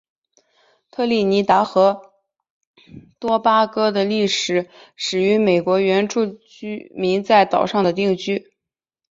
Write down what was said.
特立尼达和多巴哥的历史始于美洲原住民在岛上的定居。